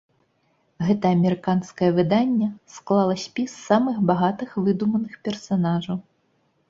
Гэта амерыканскае выданне склала спіс самых багатых выдуманых персанажаў.